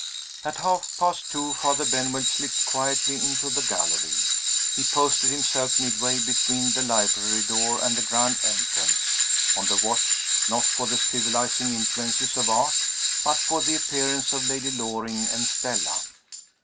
At half past two Father Benwell slipped quietly into the gallery. He posted himself midway between the library door and the grand entrance; on the watch, not for the civilizing influences of Art, but for the appearance of Lady Loring and Stella.